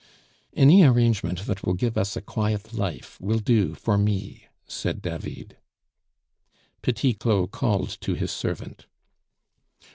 "Any arrangement that will give us a quiet life will do for me," said David. Petit Claud called to his servant.